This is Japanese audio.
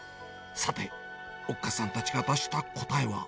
さて、おっかさんたちが出した答えは？